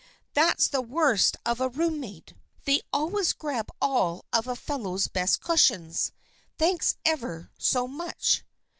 That's the worst of a roommate. They always grab all of a fellow's best cushions. Thanks ever so much."